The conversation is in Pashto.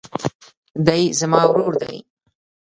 دی زما ورور دئ.